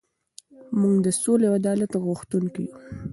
موږ د سولې او عدالت غوښتونکي یو.